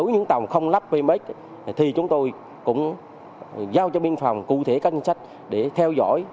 những tàu không lắp pmx thì chúng tôi cũng giao cho biên phòng cụ thể các nhân sách để theo dõi